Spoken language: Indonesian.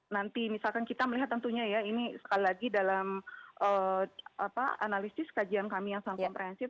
nanti misalkan kita melihat tentunya ya ini sekali lagi dalam analisis kajian kami yang sangat komprehensif